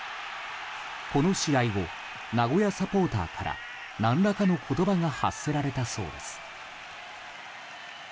この試合後名古屋サポーターから何らかの言葉が発せられたそうです。